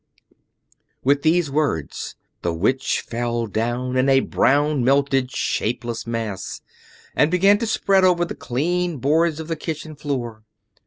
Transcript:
With these words the Witch fell down in a brown, melted, shapeless mass and began to spread over the clean boards of the kitchen floor.